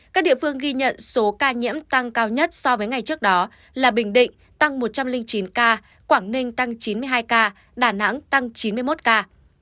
các địa phương ghi nhận số ca nhiễm tăng cao nhất so với ngày trước đó là bình định tăng một trăm linh chín ca quảng ninh tăng chín mươi hai ca đà nẵng tăng chín mươi một ca